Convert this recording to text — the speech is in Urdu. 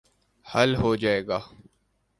حل ہو جائے گا۔